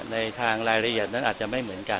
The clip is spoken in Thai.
ในทางรายละเอียดนั้นอาจจะไม่เหมือนกัน